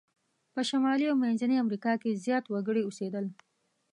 په شمالي او منځني امریکا کې زیات وګړي اوسیدل.